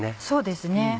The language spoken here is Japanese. そうですね。